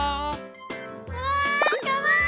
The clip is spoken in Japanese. うわかわいい！